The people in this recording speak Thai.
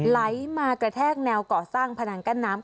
ไหลมากระแทกแนวก่อสร้างผนังกั้นน้ำ